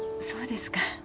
そうですか。